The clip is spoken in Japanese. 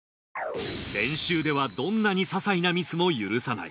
練習ではどんなにささいなミスも許さない。